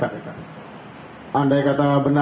pak yudin pan dari rakyat merdeka